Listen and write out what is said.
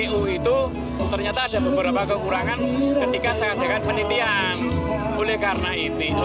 nah gitu loh ya paling tidak tiga bulan lah kita bisa mengetahui gitu